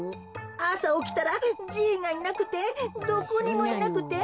あさおきたらじいがいなくてどこにもいなくて。